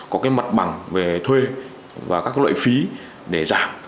có cái mặt bằng về thuê và các loại phí để giảm